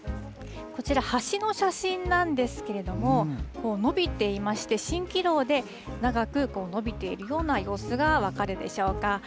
こちら、橋の写真なんですけれども、のびていまして、しんきろうで長く伸びているような様子が分かるでしょうか。